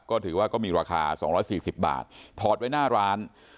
ก็ถือว่าก็มีราคา๒๔๐บาทถอดไว้หน้าร้าน